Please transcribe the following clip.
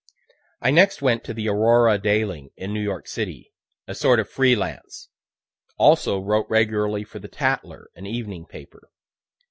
I next went to the "Aurora" daily in New York city a sort of free lance. Also wrote regularly for the "Tattler," an evening paper.